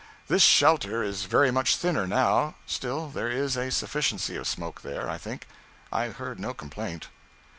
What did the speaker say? This shelter is very much thinner now; still, there is a sufficiency of smoke there, I think. I heard no complaint.